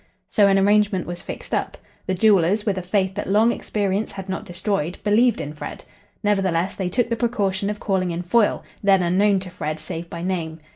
So an arrangement was fixed up. The jewellers, with a faith that long experience had not destroyed, believed in Fred. Nevertheless, they took the precaution of calling in Foyle, then unknown to Fred save by name.